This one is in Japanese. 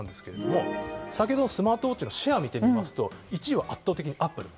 先ほどのスマートウォッチのシェアを見てみますと１位は圧倒的にアップル。